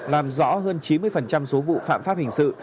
làm rõ hơn chín mươi số vụ phạm pháp hình sự